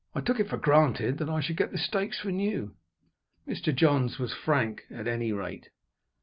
"I took it for granted that I should get the stakes from you." Mr. Johns was frank, at any rate.